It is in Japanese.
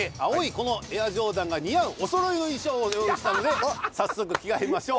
このＡｉｒＪｏｒｄａｎが似合うお揃いの衣装を用意したので早速着替えましょう。